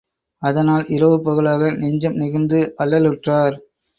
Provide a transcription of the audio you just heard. அதனால், இரவு பகலாக நெஞ்சம் நெகிழ்ந்து அல்லலுற்றார்.